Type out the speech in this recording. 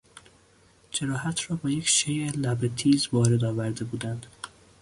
جراحت را با یک شی لبه تیز وارد آورده بودند.